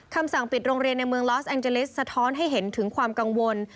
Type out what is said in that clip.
คำสั่งปิดโรงเรียนในเมืองลอสแองเจลิสสะท้อนให้เห็นถึงความกังวล